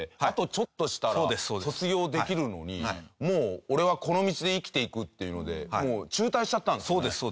あとちょっとしたら卒業できるのにもう俺はこの道で生きていくっていうのでもう中退しちゃったんですよね。